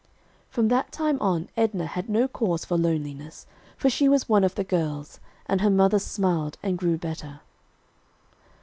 From that time on, Edna had no cause for loneliness, for she was one of the girls, and her mother smiled and grew better.